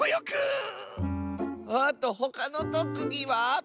あとほかのとくぎは？